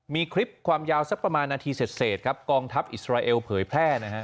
มีคลิปความยาวสักประมาณนาทีเสร็จครับกองทัพอิสราเอลเผยแพร่นะฮะ